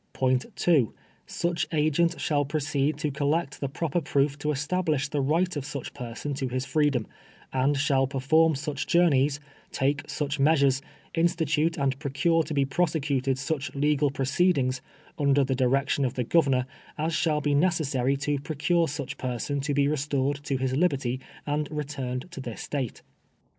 § 2. Such agent shall proceed to collect the proper proof to establish the right of such person to his freedom, and shall per fonii such joumeys, take such measures, institute and procure to be prosecuted such legal proceedhigs, under the du'ection of the Governor, as shall be necessary to procure such person to be restored to his liberty and returned' to this State.